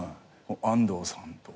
安藤さんと。